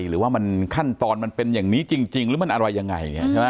หรือว่ามันขั้นตอนมันเป็นอย่างนี้จริงหรือมันอะไรยังไงใช่ไหม